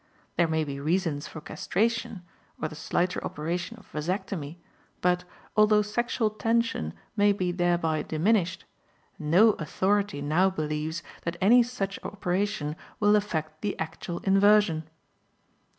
There may be reasons for castration, or the slighter operation of vasectomy, but, although sexual tension may be thereby diminished, no authority now believes that any such operation will affect the actual inversion.